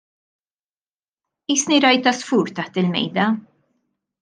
Qisni rajt għasfur taħt il-mejda.